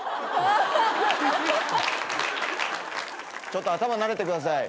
ちょっと頭なでてください。